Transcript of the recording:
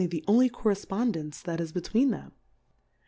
151 the only Correfpondence that is be tween them.